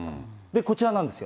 こちらなんですよ。